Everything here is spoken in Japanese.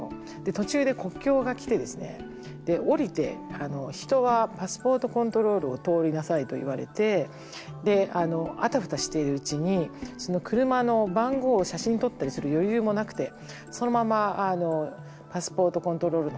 途中で国境が来てですね降りて人はパスポートコントロールを通りなさいと言われてあたふたしているうちにその車の番号を写真撮ったりする余裕もなくてそのままパスポートコントロールのほうに行っちゃったんですね。